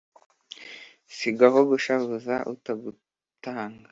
sigaho gushavuza utagutanga